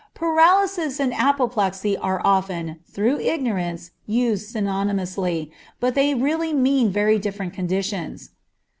Paralysis and apoplexy are often, through ignorance, used synonymously, but they really mean very different conditions.